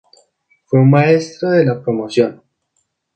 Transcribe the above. Fue un maestro de la promoción.